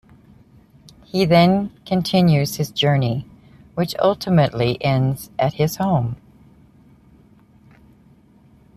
He then continues his journey, which ultimately ends at his home.